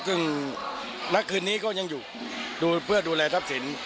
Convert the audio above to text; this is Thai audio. ซึ่งณคืนนี้ก็ยังอยู่ดูเพื่อดูแลทรัพย์สิน